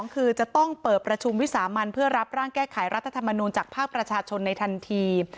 คือจะต้องเปิดประชุมวิสามันเพื่อรับร่างแก้ไขรัฐธรรมนูลจากภาคประชาชนในทันที